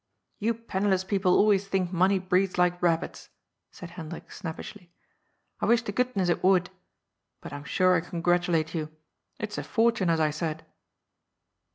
^' You penniless people always think money breeds like rabbits," said Hendrik snappishly. " I wish to goodness it would. But I'm sure I congratulate you. It's a fortune, as I said.'